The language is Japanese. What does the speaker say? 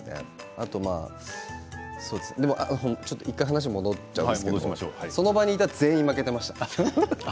あとまあ、１回話が戻っちゃうんですがその場にいた全員が負けていました。